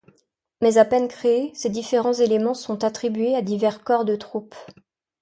Mais à peine créée, ses différents éléments sont attribués à divers corps de troupes.